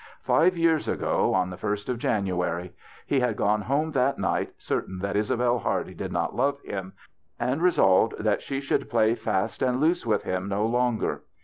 Five years ago on the iu'st of January ! He had gone home that night certain that Isabelle Hardy did not love him, and re solved that she should play fast and loose with him no longer.